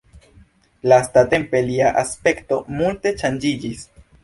Lastatempe lia aspekto multe ŝanĝiĝis.